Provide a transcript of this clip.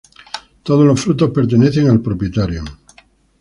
Todos los frutos pertenecen al propietario.